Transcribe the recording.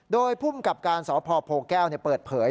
โดยภูมิกับการสพโพแก้วเปิดเผย